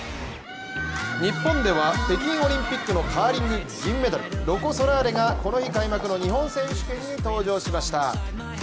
日本では北京オリンピックのカーリング銀メダル、ロコ・ソラーレがこの日開幕の日本選手権に登場しました。